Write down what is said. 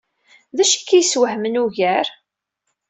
D acu ay k-yeswehmen ugar?